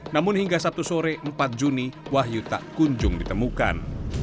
namun hingga sabtu sore empat juni wahyu tak kunjung ditemukan